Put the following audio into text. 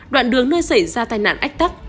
đoạn đường nơi xảy ra tai nạn ách tắc